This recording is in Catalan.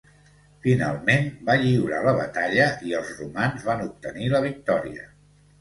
Finalment va lliurar la batalla i els romans van obtenir la victòria.